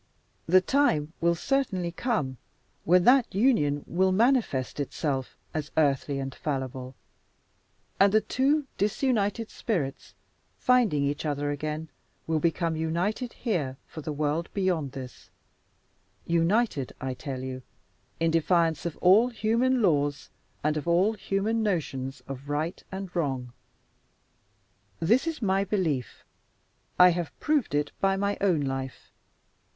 The time will certainly come when that union will manifest itself as earthly and fallible; and the two disunited spirits, finding each other again, will become united here for the world beyond this united, I tell you, in defiance of all human laws and of all human notions of right and wrong. "This is my belief. I have proved it by my own life.